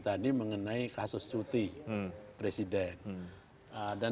ya saya pertama tentu saja sangat tertarik dengan statement pak hikam